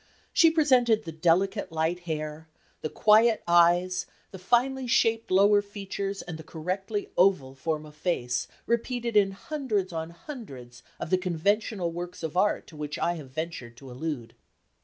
She presented the delicate light hair, the quiet eyes, the finely shaped lower features and the correctly oval form of face, repeated in hundreds on hundreds of the conventional works of Art to which I have ventured to allude.